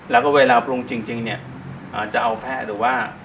แล้วก็เวลาปรุงจริงเนี่ยจะเอาแพร่หรือว่า